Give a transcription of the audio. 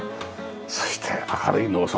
そして明るい農村。